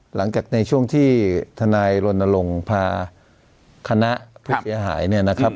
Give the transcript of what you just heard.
หลังจากในช่วงที่ทนายรณรงค์พาคณะผู้เสียหายเนี่ยนะครับ